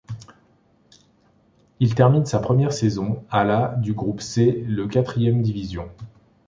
Il termine sa première saison à la du groupe C le Quatrième Division.